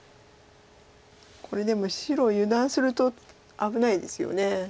これでも白油断すると危ないですよね。